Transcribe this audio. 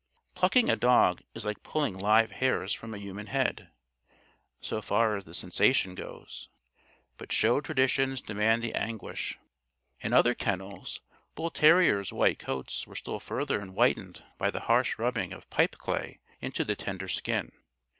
"Plucking" a dog is like pulling live hairs from a human head, so far as the sensation goes. But show traditions demand the anguish. In other kennels, bull terriers' white coats were still further whitened by the harsh rubbing of pipeclay into the tender skin.